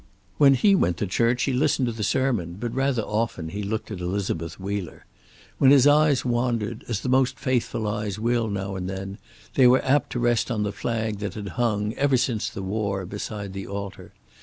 When he went to church he listened to the sermon, but rather often he looked at Elizabeth Wheeler. When his eyes wandered, as the most faithful eyes will now and then, they were apt to rest on the flag that had hung, ever since the war, beside the altar.